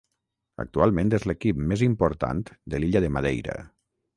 Actualment és l'equip més important de l'illa de Madeira.